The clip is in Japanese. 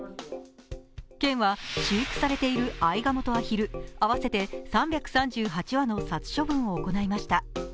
県は飼育されているあいがもとアヒル、合わせて３３８羽の殺処分を行いました。